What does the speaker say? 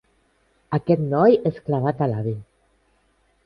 Aquest noi és clavat a l'avi.